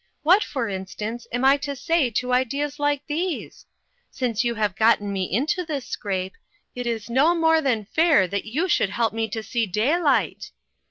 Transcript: What, for instance, am I to say to ideas like these? Since you have gotten me into this scrape, it is no more than fair that you should help me to see daylight."